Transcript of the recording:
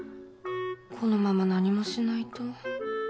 このまま何もしないと。